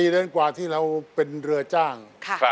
เดือนกว่าที่เราเป็นเรือจ้าง